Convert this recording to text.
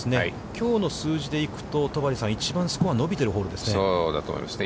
きょうの数字で行くと、戸張さん、一番スコアが伸びているホールですね。